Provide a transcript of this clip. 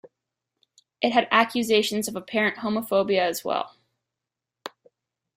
It had accusations of apparent homophobia as well.